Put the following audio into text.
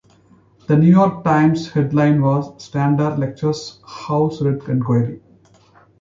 The "New York Times" headline was "Stander Lectures House Red Inquiry.